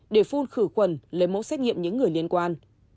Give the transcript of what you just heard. để phun khử khuẩn lấy mẫu xét nghiệm những người liên quan